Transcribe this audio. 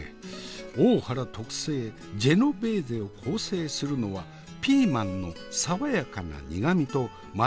大原特製ジェノベーゼを構成するのはピーマンの爽やかな苦みとマヨネーズのコクちょい足し。